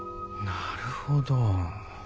なるほど。